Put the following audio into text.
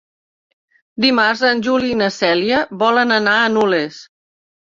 Dimarts en Juli i na Cèlia volen anar a Nulles.